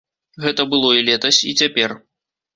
Гэта было і летась, і цяпер.